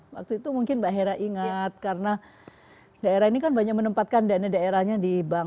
waktu itu mungkin mbak hera ingat karena daerah ini kan banyak menempatkan dana daerahnya di bank